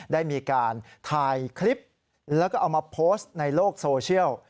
ได้มีการถ่ายคลิปแล้วก็เอามาโพสต์ในโลกโซเชียล